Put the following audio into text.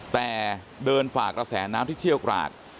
แต่เดินฝ่ากระแสน้ำที่เชี่ยวกราก